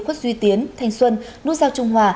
khuất duy tiến thanh xuân nút giao trung hòa